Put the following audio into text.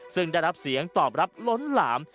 ซึ่งได้รับเสียงตอบรับล้นหลาม